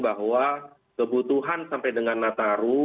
bahwa kebutuhan sampai dengan nataru